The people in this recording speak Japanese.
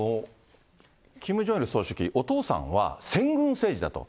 キム・ジョンイル総書記、お父さんは先軍政治だと。